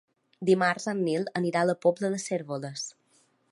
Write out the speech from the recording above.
Dimarts en Nil anirà a la Pobla de Cérvoles.